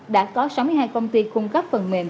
đã có sáu mươi hai công ty cung cấp phần mềm